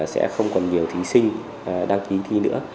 sẽ không còn nhiều thí sinh đăng ký thi nữa